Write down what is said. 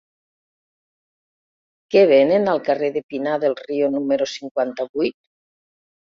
Què venen al carrer de Pinar del Río número cinquanta-vuit?